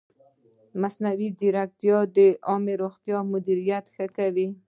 مصنوعي ځیرکتیا د عامې روغتیا مدیریت ښه کوي.